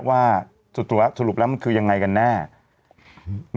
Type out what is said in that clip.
ว่าสุดตัวสรุปแล้วมันคือยังไงกันแน่อืม